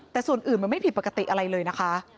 แต่ส่วนอื่นมันไม่ผิดปกติอะไรเลยนะคะ